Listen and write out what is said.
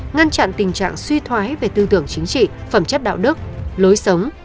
ngăn chặn tình trạng suy thoái về tư tưởng chính trị phẩm chất đạo đức lối sống